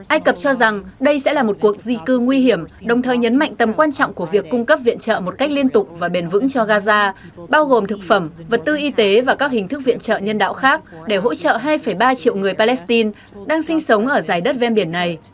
ai cập cho rằng đây sẽ là một cuộc di cư nguy hiểm đồng thời nhấn mạnh tầm quan trọng của việc cung cấp viện trợ một cách liên tục và bền vững cho gaza bao gồm thực phẩm vật tư y tế và các hình thức viện trợ nhân đạo khác để hỗ trợ hai ba triệu người palestine đang sinh sống ở dài đất ven biển này